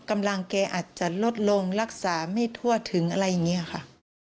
กำลังแกอาจจะลดลงรักษาไม่ทั่วถึงอะไรอย่างนี้ค่ะ